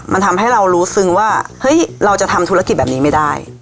มันทำให้เรารู้ซึ้งว่าเฮ้ยเราจะทำธุรกิจแบบนี้ไม่ได้